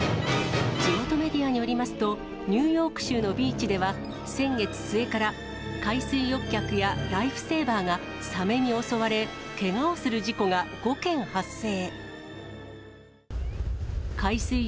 地元メディアによりますと、ニューヨーク州のビーチでは、先月末から、海水浴客やライフセーバーがサメに襲われ、けがをする事故が５件発生。